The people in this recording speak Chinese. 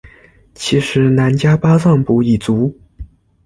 其时喃迦巴藏卜已卒。